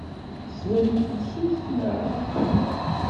Teslam i tusut, naɣ?